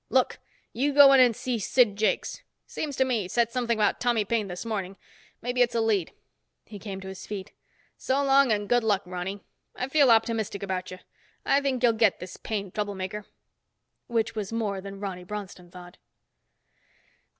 Look, you go in and see Sid Jakes. Seems to me he said something about Tommy Paine this morning. Maybe it's a lead." He came to his feet. "So long and good luck, Ronny. I feel optimistic about you. I think you'll get this Paine troublemaker." Which was more than Ronny Bronston thought.